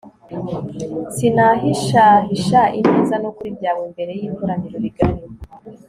sinahishahisha ineza n'ukuri byawe imbere y'ikoraniro rigari